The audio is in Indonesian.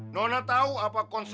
nona tahu apa konseknya